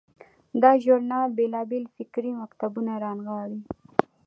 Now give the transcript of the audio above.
دا ژورنال بیلابیل فکري مکتبونه رانغاړي.